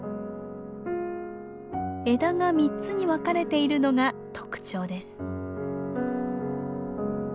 枝が三つに分かれているのが特徴です。